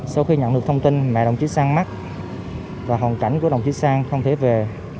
sau khi nhận được thông tin mẹ đồng chí sang mắt và hoàn cảnh của đồng chí sang không thể về